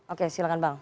oke silahkan bang